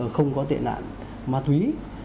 không có tệ nạn ma túy